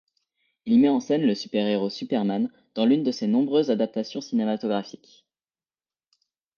Il met en scène le super-héros Superman, dans l'une de ses nombreuses adaptations cinématographiques.